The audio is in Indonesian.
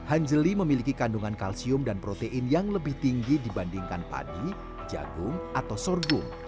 anjeli memiliki kandungan kalsium dan protein yang lebih tinggi dibandingkan padi jagung atau sorghum